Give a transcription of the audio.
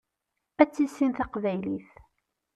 Ad tissin taqbaylit.